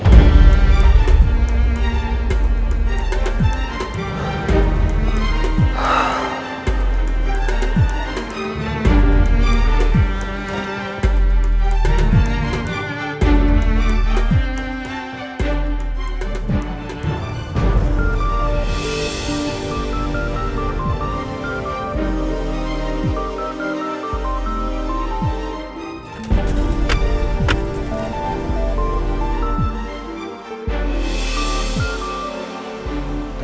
menjadi mengejith governments